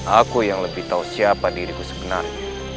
aku yang lebih tahu siapa diriku sebenarnya